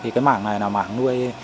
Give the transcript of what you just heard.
cái mảng này là mảng nuôi